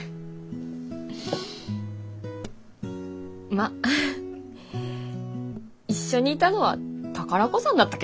まっ一緒にいたのは宝子さんだったけどね。